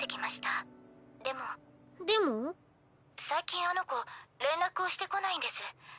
最近あの子連絡をしてこないんです。